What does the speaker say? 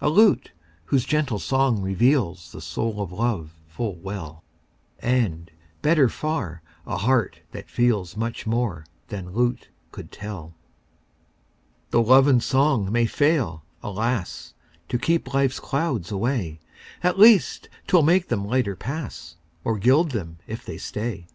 A lute whose gentle song reveals The soul of love full well; And, better far, a heart that feels Much more than lute could tell. Tho' love and song may fail, alas! To keep life's clouds away, At least 'twill make them lighter pass, Or gild them if they stay.